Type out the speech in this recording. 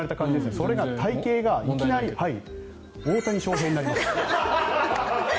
それが体形が、いきなり大谷翔平になります。